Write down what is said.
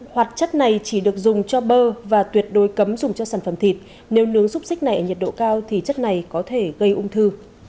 hoạt chất này chỉ được dùng cho bơ và tuyệt đối cấm dùng cho sản phẩm thịt nếu nướng giúp xích này nhiệt độ cao thì chất này có thể gây ung thư